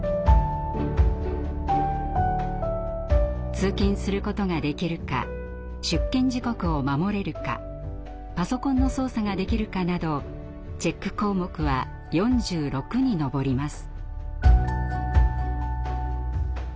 通勤することができるか出勤時刻を守れるかパソコンの操作ができるかなどチェック項目は４６に上ります。